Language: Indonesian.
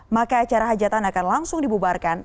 maka acara hajatan akan langsung dibubarkan